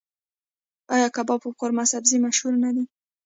آیا کباب او قورمه سبزي مشهور نه دي؟